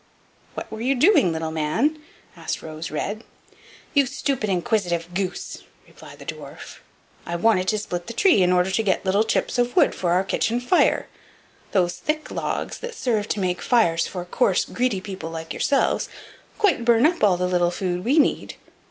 "What were you doing, little man?" asked Rose red. "You stupid, inquisitive goose!" replied the dwarf; "I wanted to split the tree, in order to get little chips of wood for our kitchen fire; those thick logs that serve to make fires for coarse, greedy people like yourselves quite burn up all the little food we need.